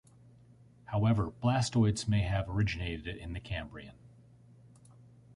However, blastoids may have originated in the Cambrian.